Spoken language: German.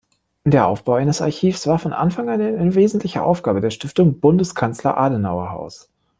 Der Aufbau eines Archivs war von Anfang an eine wesentliche Aufgabe der Stiftung Bundeskanzler-Adenauer-Haus.